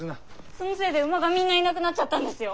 そのせいで馬がみんないなくなっちゃったんですよ！